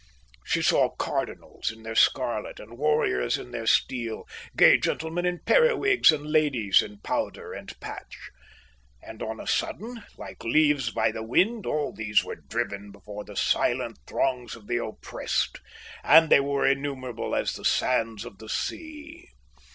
She saw cardinals in their scarlet, and warriors in their steel, gay gentlemen in periwigs, and ladies in powder and patch. And on a sudden, like leaves by the wind, all these were driven before the silent throngs of the oppressed; and they were innumerable as the sands of the sea.